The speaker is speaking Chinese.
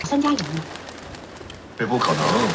前翅顶端平圆。